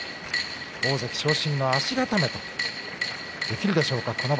大関昇進の足固めできるでしょうか。